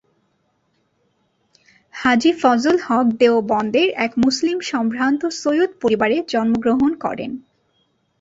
হাজী ফজল হক দেওবন্দের এক মুসলিম সম্ভ্রান্ত সৈয়দ পরিবারে জন্মগ্রহণ করেন।